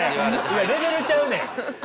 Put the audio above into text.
いやレベルちゃうねん。